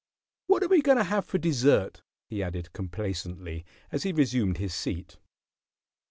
"What are we going to have for dessert?" he added, complacently, as he resumed his seat.